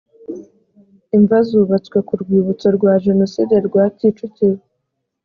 imva zubatswe ku rwibutso rwa jenoside rwa kicukiro